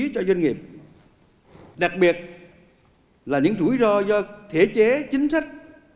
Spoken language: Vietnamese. cho doanh nghiệp đặc biệt là những rủi ro do thể chế chính sách